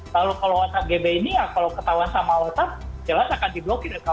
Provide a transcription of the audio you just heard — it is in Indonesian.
lalu kalau whatsapp gb ini ya kalau ketahuan sama whatsapp jelas akan diblokir